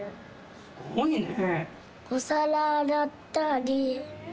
すごいね。